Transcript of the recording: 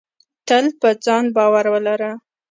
تل په ځان باور ولره.